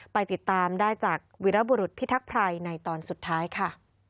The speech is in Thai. ไปติดตามได้จากวิรบุรุษพิทักษภัยในตอนสุดท้ายค่ะ